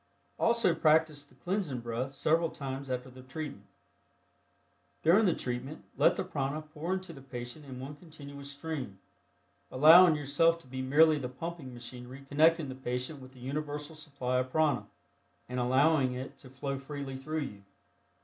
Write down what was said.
Also practice the Cleansing Breath several times after the treatment. During the treatment let the prana pour into the patient in one continuous stream, allowing yourself to be merely the pumping machinery connecting the patient with the universal supply of prana, and allowing it to flow freely through you.